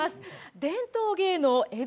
伝統芸能江戸